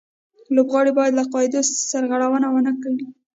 لوبغاړي باید له قاعدو سرغړونه و نه کړي.